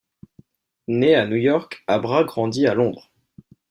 Née à New York, Abra grandit à Londres.